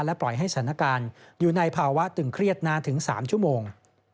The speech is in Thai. ปล่อยให้สถานการณ์อยู่ในภาวะตึงเครียดนานถึง๓ชั่วโมง